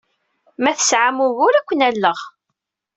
Ma tesɛam ugur, ad ken-alleɣ.